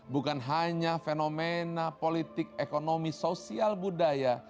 bukan hanya fenomena politik ekonomi sosial budaya